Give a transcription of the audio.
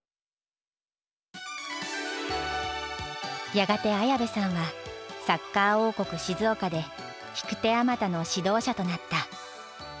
やがて綾部さんはサッカー王国静岡で引く手あまたの指導者となった。